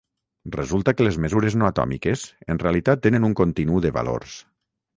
Resulta que les mesures no atòmiques en realitat tenen un continu de valors.